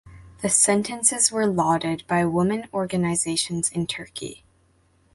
The sentences were lauded by women organizations in Turkey.